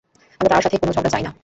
আমরা তার সাথে কোনো ঝগড়া চাই না।